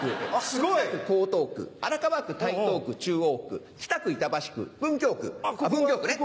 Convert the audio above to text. すごい！荒川区台東区中央区北区板橋区文京区文京区ね。